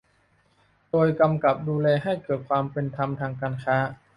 โดยกำกับดูแลให้เกิดความเป็นธรรมทางการค้า